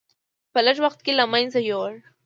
په لږ وخت کې له منځه یووړ.